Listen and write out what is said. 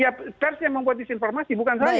ya pers yang membuat disinformasi bukan saya